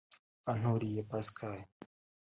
Banturiye Pascal